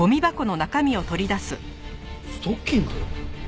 ストッキング？